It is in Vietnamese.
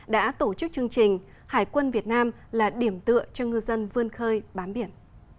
đã tổ chức chương trình hải quân việt nam là điểm tựa cho ngư dân vươn khơi bám biển